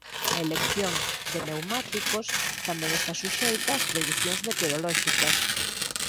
A elección de pneumáticos tamén esta suxeita ás predicións meteorolóxicas.